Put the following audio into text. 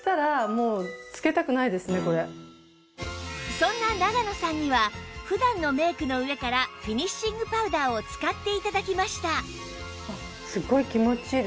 そんな長野さんには普段のメイクの上からフィニッシングパウダーを使って頂きました